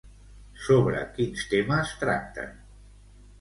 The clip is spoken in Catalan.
Sobre quins temes tracten?